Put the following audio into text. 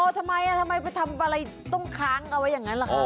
ทำไมไปทำอะไรต้องค้างเอาไว้อย่างนั้นล่ะคะ